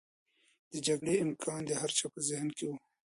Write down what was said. د جګړې امکان د هر چا په ذهن کې و.